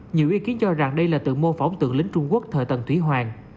nhiều ý kiến cho rằng đây là tượng mô phóng tượng lính trung quốc thời tầng thủy hoàng